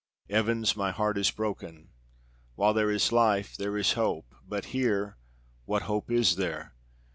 Evans, my heart is broken. While there is life there is hope; but here, what hope is there?